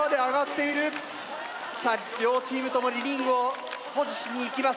両チームともにリングを保持しに行きます。